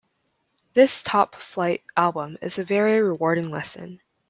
This top-flight album is a very rewarding listen.